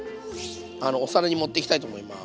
お皿に盛っていきたいと思います。